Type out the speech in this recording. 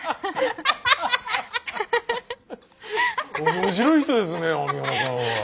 面白い人ですね網浜さんは。